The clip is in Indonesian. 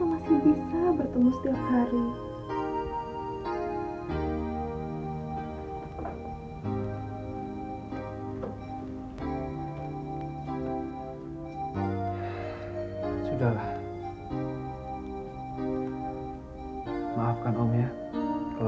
om masih mau bantu nisa mengatakan tangannya dulu